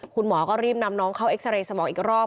คุณหมอก็รีบนำน้องเข้าเอ็กซาเรย์สมองอีกรอบ